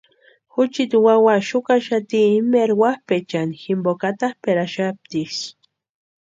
Juchiti wawa xukaxati imeeri wapʼaechani jimpoka atapʼeraxaptiksï.